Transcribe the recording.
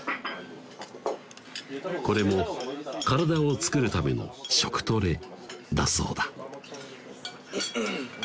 これも体をつくるための食トレだそうだ